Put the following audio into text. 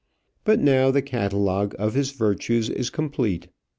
But now the catalogue of his virtues is complete.